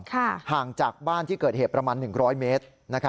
ห่างจากบ้านที่เกิดเหตุประมาณ๑๐๐เมตร